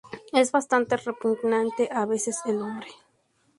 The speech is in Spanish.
Es bastante repugnante a veces, el hombre.